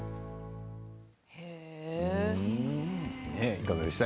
いかがでしたか？